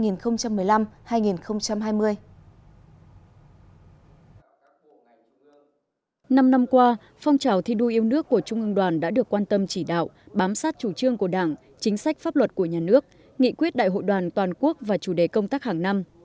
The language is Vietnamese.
năm năm qua phong trào thi đua yêu nước của trung ương đoàn đã được quan tâm chỉ đạo bám sát chủ trương của đảng chính sách pháp luật của nhà nước nghị quyết đại hội đoàn toàn quốc và chủ đề công tác hàng năm